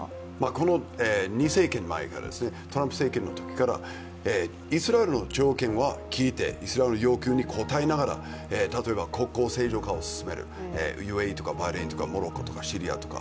この２政権前から、トランプ政権のときから、イスラエルの要求に応えながら国交正常化を進めるＵＡＥとかバーレーンとかモロッコとかシリアとか。